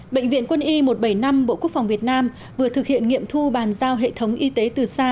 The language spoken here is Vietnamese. bệnh viện quân y một trăm bảy mươi năm bộ quốc phòng việt nam vừa thực hiện nghiệm thu bàn giao hệ thống y tế từ xa